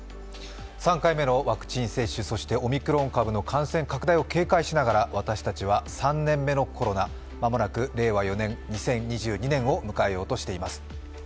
３回目のワクチン接種、そしてオミクロン株の感染拡大を警しながら私たちは３年目のコロナ、間もなく令和４年、２０２２年を迎えようとしています。